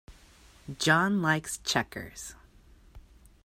John likes checkers.